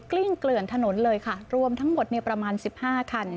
ลิ้งเกลื่อนถนนเลยค่ะรวมทั้งหมดประมาณสิบห้าคัน